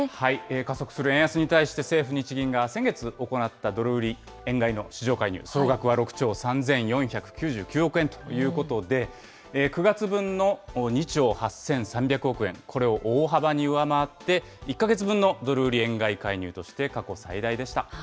加速する円安に対して、政府・日銀が先月行ったドル売り円買いの市場介入、総額は６兆３４９９億円ということで、９月分の２兆８３００億円、これを大幅に上回って、１か月分のドル売り円買い介入として過去最大でした。